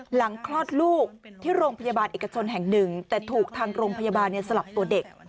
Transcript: คลอดลูกที่โรงพยาบาลเอกชนแห่งหนึ่งแต่ถูกทางโรงพยาบาลสลับตัวเด็ก